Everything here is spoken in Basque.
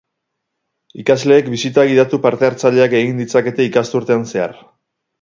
Ikasleek bisita gidatu parte-hartzaileak egin ditzakete ikasturtean zehar.